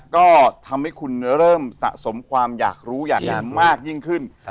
ก็ทำให้คุณเริ่มสะสมความอยากรู้อยากเห็นมากยิ่งขึ้น